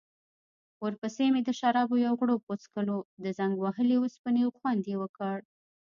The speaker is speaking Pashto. ورپسې مې د شرابو یو غوړپ وڅکلو، د زنګ وهلې اوسپنې خوند يې وکړ.